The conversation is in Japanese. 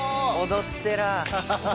「踊ってらぁ！」。